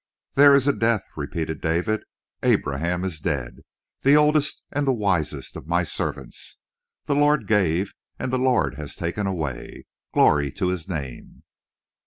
"There is a death," repeated David. "Abraham is dead, the oldest and the wisest of my servants. The Lord gave and the Lord has taken away. Glory to His name!"